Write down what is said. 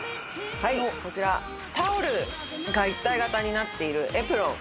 はいこちらタオルが一体型になっているエプロン。